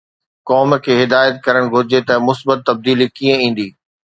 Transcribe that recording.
قوم کي هدايت ڪرڻ گهرجي ته مثبت تبديلي ڪيئن ايندي؟